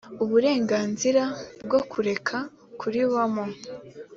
uburenganzira bwo kureka kuribamo